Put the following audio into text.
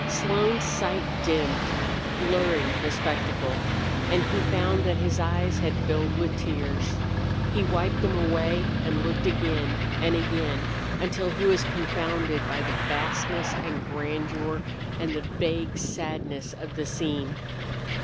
Slone's sight dimmed, blurring the spectacle, and he found that his eyes had filled with tears. He wiped them away and looked again and again, until he was confounded by the vastness and grandeur and the vague sadness of the scene.